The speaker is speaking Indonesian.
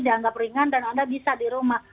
dianggap ringan dan anda bisa di rumah